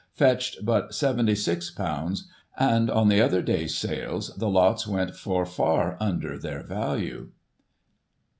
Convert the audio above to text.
fetched but £76^ and, on the other days' sales, the lots went for far under their value.